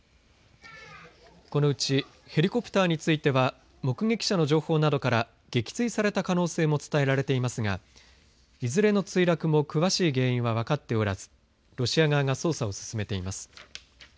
このうちヘリコプターについては目撃者の情報などから撃墜された可能性も伝えられていますがいずれの墜落も詳しい原因は分かっておらずロシア側が捜査を進めています。